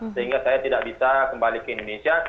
sehingga saya tidak bisa kembali ke indonesia